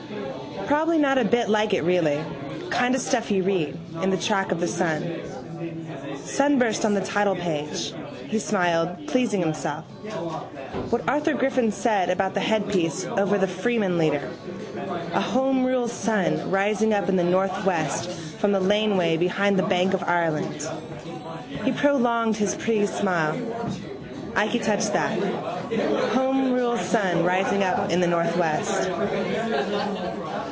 Probably not a bit like it really. Kind of stuff you read: in the track of the sun. Sunburst on the titlepage. He smiled, pleasing himself. What Arthur Griffith said about the headpiece over the Freeman leader: a homerule sun rising up in the northwest from the laneway behind the bank of Ireland. He prolonged his pleased smile. Ikey touch that: homerule sun rising up in the northwest.